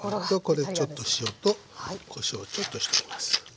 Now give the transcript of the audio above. ここでちょっと塩とこしょうをちょっとしています。